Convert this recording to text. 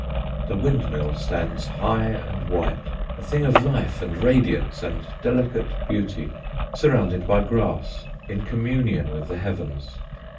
The windmill stands high and white, a thing of life and radiance and delicate beauty, surrounded by grass, in communion with the heavens.